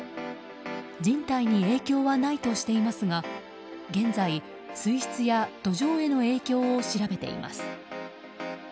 人体に影響はないとしていますが現在、水質や土壌への影響を調べています。